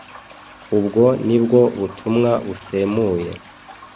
Ubwo nibwo butumwa busemuye